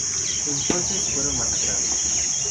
Entonces, fueron masacrados.